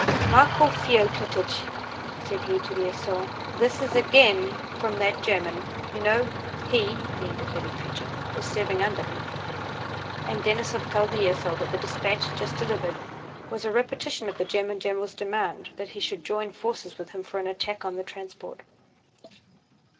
"Michael Feoklítych," said he to the esaul, "this is again fwom that German, you know. He"—he indicated Pétya—"is serving under him." And Denísov told the esaul that the dispatch just delivered was a repetition of the German general's demand that he should join forces with him for an attack on the transport.